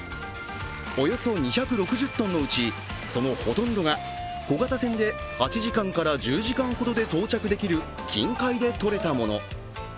およそ２６０ｔのうち、そのほとんどが小型船で８時間から１０時間ほどで到着できる近海でとれたもの。